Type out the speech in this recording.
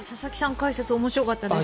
解説面白かったです。